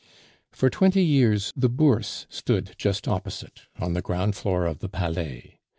For twenty years the Bourse stood just opposite, on the ground floor of the Palais.